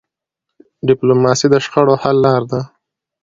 ډيپلوماسي د شخړو حل لاره ده.